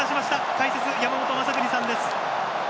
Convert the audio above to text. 解説、山本昌邦さんです。